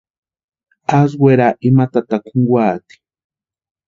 Asï wera ima tataka junkwaati.